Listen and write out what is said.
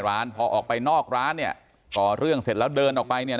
ร้านพอออกไปนอกร้านเนี่ยก่อเรื่องเสร็จแล้วเดินออกไปเนี่ย